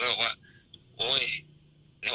อืมครับเขาพูดไปบอกว่าโอ้ย